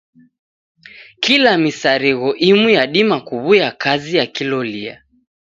Kila misarigho imu yadima kuw'uya kazi ya kilolia.